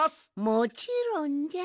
もちろんじゃ。